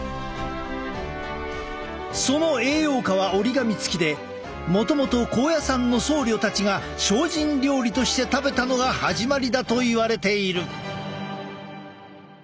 その栄養価は折り紙付きでもともと高野山の僧侶たちが精進料理として食べたのが始まりだといわれている。